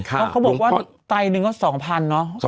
เขาบอกว่าไตหนึ่งก็๒๐๐เนอะ